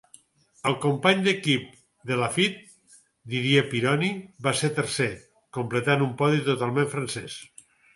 El company d'equip de Laffite, Didier Pironi, va ser tercer, completant un podi totalment francès.